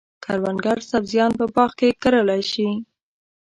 کروندګر سبزیان په باغ کې کرلای شي.